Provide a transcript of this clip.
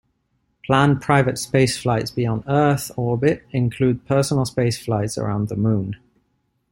Planned private spaceflights beyond Earth orbit include personal spaceflights around the Moon.